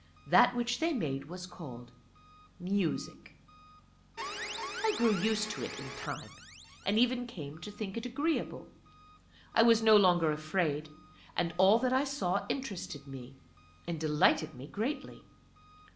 That which they made was called "Music." I grew used to it in time, and even came to think it agreeable. I was no longer afraid, and all that I saw interested me, and delighted me greatly.